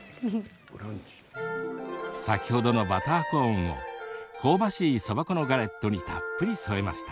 先ほどのバターコーンを香ばしい、そば粉のガレットにたっぷり添えました。